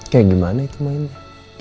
kayak gimana itu mainnya